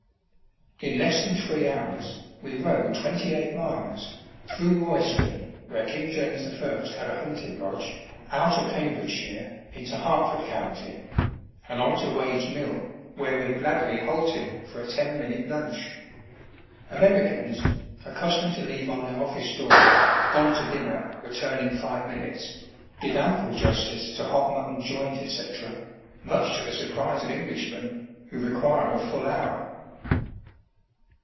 In less than three hours, we rode twenty eight miles ; through Royston, where King James I. had a hunting lodge, out of Cambridgeshire into Hertford County, and on to Wade's Mill, where we gladly halted for a ten minute lunch. Americans, accus tomed to leave on their office door, " Gone to dinner, return in five minutes," did ample justice to hot mutton joint, etc., much to the surprise of English men, who require a full hour.